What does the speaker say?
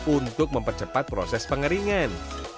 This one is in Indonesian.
untuk mempercepat proses pengeringan